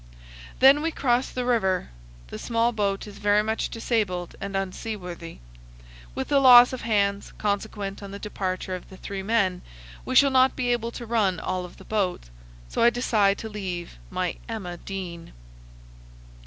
Then we cross the river. The small boat is very much disabled and unseaworthy. With the loss of hands, consequent on the departure of the three men, we shall not be able to run all of the boats; so I decide to leave my "Emma Dean."